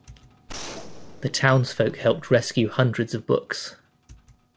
The townsfolk helped rescue hundreds of books.